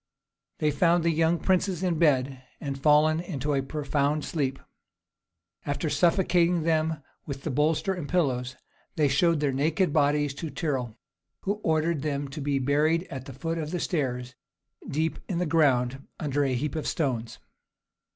They found the young princes in bed, and fallen into a profound sleep. After suffocating them with the bolster and pillows, they showed their naked bodies to Tyrrel, who ordered them to be buried at the foot of the stairs, deep in the ground, under a heap of stones.